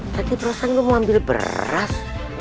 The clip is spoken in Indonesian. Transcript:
tadi perasaan gue mau ambil beras